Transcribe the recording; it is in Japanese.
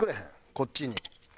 こっちに。